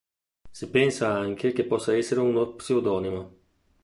Si pensa anche che possa essere uno pseudonimo.